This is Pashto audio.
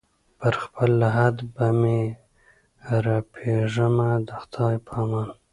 پر خپل لحد به مي رپېږمه د خدای په امان